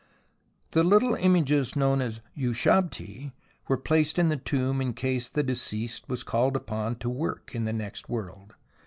The little images known as Ushabti were placed in the tomb, in case the deceased were called upon to work in the next world.